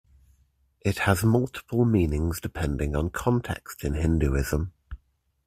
It has multiple meanings depending on context in Hinduism.